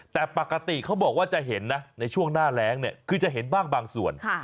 แต่ปกติเขาบอกว่าจะเห็นนะในช่วงหน้าแรงเนี่ยคือจะเห็นบ้างบางส่วน